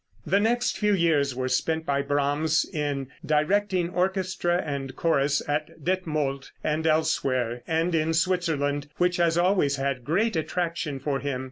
The next few years were spent by Brahms in directing orchestra and chorus at Detmold and elsewhere, and in Switzerland, which has always had great attraction for him.